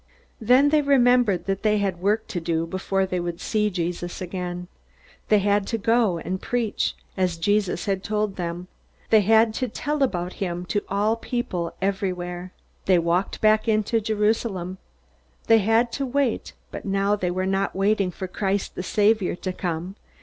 Then they remembered that they had work to do before they again would see Jesus. They had to go and preach, as Jesus had told them. They had to tell about him to all people everywhere. They walked back into Jerusalem. They had to wait; but now they were not waiting for Christ the Saviour to come.